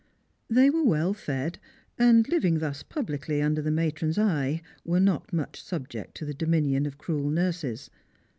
They were well fed, and Hving thus publicly under the matron's eye were not much subject to the dominion of cruel nurses.